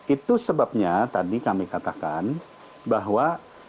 itu sebabnya tadi kami katakan bahwa